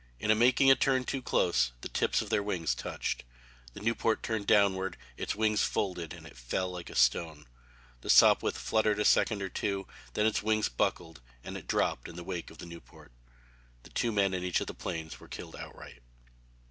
In making a turn too close the tips of their wings touched. The Nieuport turned downward, its wings folded, and it fell like a stone. The Sopwith fluttered a second or two, then its wings buckled and it dropped in the wake of the Nieuport. The two men in each of the planes were killed outright.